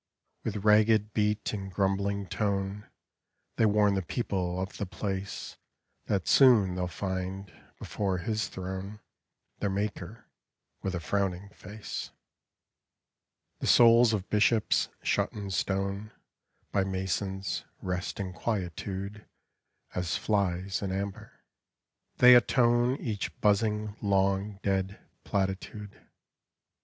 With ragged beat and grumbling tone They warn the people of the place That soon they '11 find, before His Throne, Their Maker, with a frowning face. The souls of bishops, shut in stone By masons, rest in quietude As flies in amber. They atone Each buzzing long dead platitude. 12 English Cot Inc.